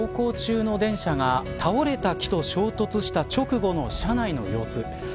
これは走行中の電車が倒れた木と衝突した直後の車内の様子。